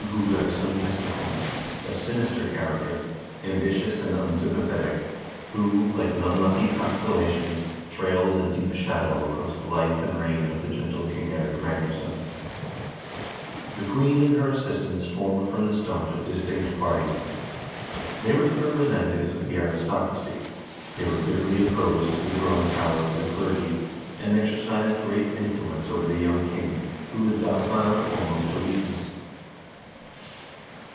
637. 474 HISTORY OF THE NORWEGIAN PEOPLE lucky constellation, trails a deep shadow across the life and reign of the gentle King Eirik Magnusson. The queen and her assistants formed from the start a distinct party. They were the representa tives of the aristocracy, they were bitterly opposed to the growing power of the clergy, and exercised great influence over the young king, who was docile almost to weakness.